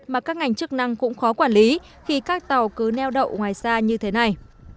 mà các ngành chức năng cũng khó quản lý khi các tàu cứ neo đậu ngoài xa như thế này